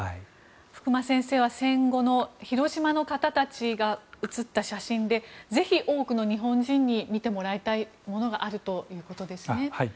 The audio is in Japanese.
福間先生は戦後の広島の方たちが写った写真でぜひ多くの日本人に見てもらいたいものがあるということですね。